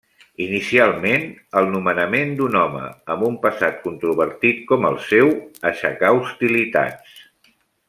Inicialment, el nomenament d'un home amb un passat controvertit com el seu, aixecà hostilitats.